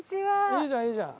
いいじゃんいいじゃん。